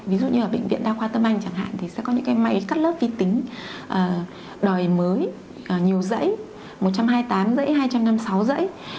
ví dụ như ở bệnh viện đa khoa tâm anh chẳng hạn thì sẽ có những cái máy cắt lớp vi tính đòi mới nhiều dãy một trăm hai mươi tám dãy hai trăm năm mươi sáu dãy